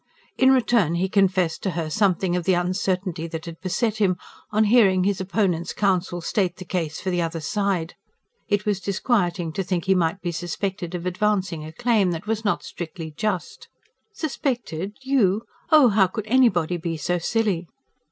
In return he confessed to her something of the uncertainty that had beset him, on hearing his opponent's counsel state the case for the other side. It was disquieting to think he might be suspected of advancing a claim that was not strictly just. "Suspected? ... YOU? Oh, how could anybody be so silly!"